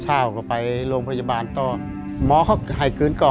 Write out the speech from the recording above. ช่าวเข้าไปโรงพยาบาลก็